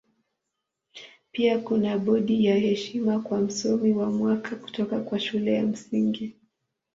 Pia kuna bodi ya heshima kwa Msomi wa Mwaka kutoka kwa Shule ya Msingi.